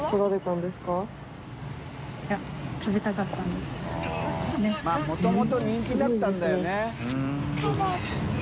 ◆舛叩まぁもともと人気だったんだよね